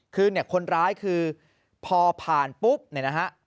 คือเนี่ยคนร้ายคือพอผ่านปุ๊บเนี่ยนะฮะ